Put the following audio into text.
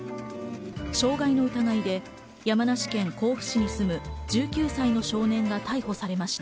傷害の疑いで山梨県甲府市に住む１９歳の少年が逮捕されました。